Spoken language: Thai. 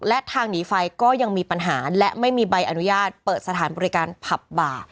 และทางหนีไฟก็ยังมีปัญหาและไม่มีใบอนุญาตเปิดสถานบริการผับบ่า